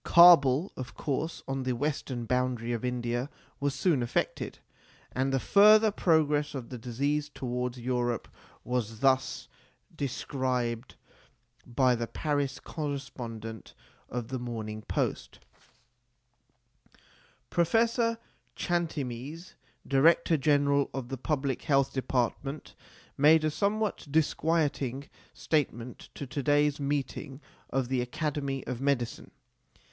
Kabul, of course, on the western boundary of India, was soon affected, and the further progress of the disease towards Europe was thus PREFACE xxi described by the Paris correspondent of the Morning Post :* Professor Chantemesse, Director General of the Public Health Department, made a somewhat disquieting state ment at to day s meeting of the Academy of Medicine.